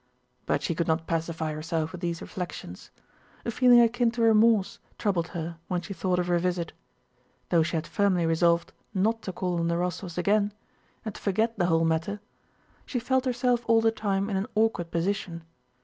But she could not pacify herself with these reflections; a feeling akin to remorse troubled her when she thought of her visit. Though she had firmly resolved not to call on the Rostóvs again and to forget the whole matter, she felt herself all the time in an awkward position.